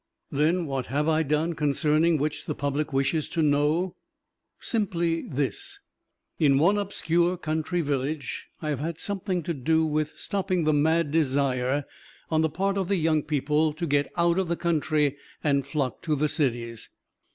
Then what have I done concerning which the public wishes to know? Simply this: In one obscure country village I have had something to do with stopping the mad desire on the part of the young people to get out of the country and flock to the cities.